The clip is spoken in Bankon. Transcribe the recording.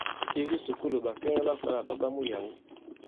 I kisùkulù, ɓàkɛŋɛ ɓa kɔ̀la ɓa ɓa muyàwo.